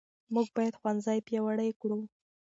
موږ باید ښوونځي پیاوړي کړو.